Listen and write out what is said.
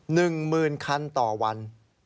๑หมื่นคันต่อวัน